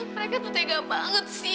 mereka bertega banget sih